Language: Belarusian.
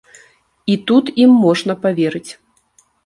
І тут ім можна паверыць.